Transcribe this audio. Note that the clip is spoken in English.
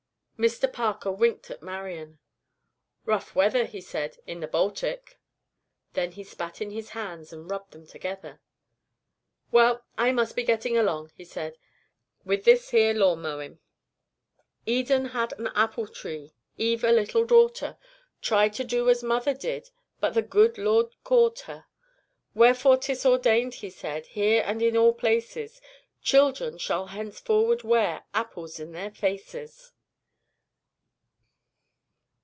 Mr Parker winked at Marian. "Rough weather," he said, "in the Baltic." Then he spat in his hands and rubbed them together. "Well, I must be getting along," he said, "with this here lawn mowing." Eden had an apple tree, Eve a little daughter, Tried to do as mother did, But the Good Lord caught her. "Wherefore 'tis ordained," He said, "Here and in all places, Children shall henceforward wear Apples in their faces."